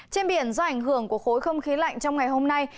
trên biển do ảnh hưởng của khối không khí lạnh trong ngày hôm nay